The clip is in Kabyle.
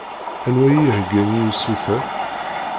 Anwa i yeheggan i usuter